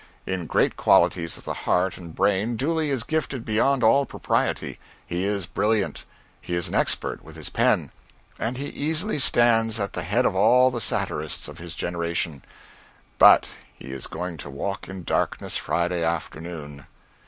In great qualities of the heart and brain, Dooley is gifted beyond all propriety. He is brilliant; he is an expert with his pen, and he easily stands at the head of all the satirists of this generation but he is going to walk in darkness Friday afternoon.